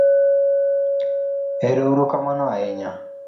erouru kamano ahinya